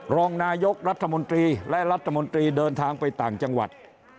รองนายกรัฐมนตรีและรัฐมนตรีเดินทางไปต่างจังหวัด